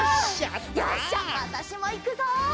よしじゃあわたしもいくぞ！